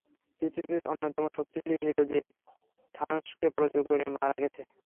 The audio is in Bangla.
পৃথিবীর অন্যতম শক্তিশালী হিরো যে থানোসকে পরাজিত করে মারা গেছে?